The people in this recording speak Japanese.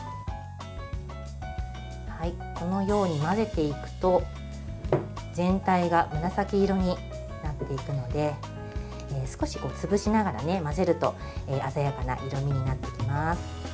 このように混ぜていくと全体が紫色になっていくので少し潰しながら混ぜると鮮やかな色味になっていきます。